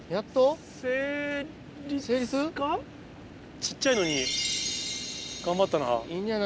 小っちゃいのに頑張ったな。